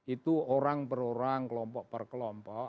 itu orang per orang kelompok per kelompok